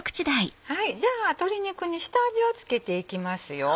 じゃあ鶏肉に下味を付けていきますよ。